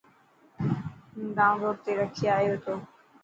هون ڊائون لوڊ تي رکي آيو تو.